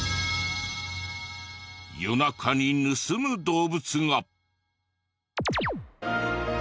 夜中に盗む動物が。